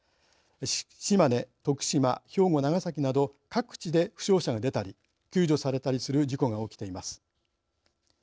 島根徳島兵庫長崎など各地で負傷者が出たり救助されたりする事故が起きています。